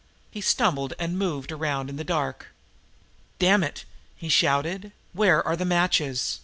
He stumbled and moved around in the dark. "Damn it!" he shouted. "Where are the matches?